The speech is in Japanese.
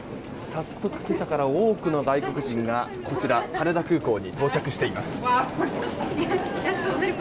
早速、今朝から多くの外国人がこちら羽田空港に到着しています。